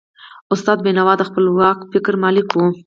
استاد بینوا د خپلواک فکر مالک و.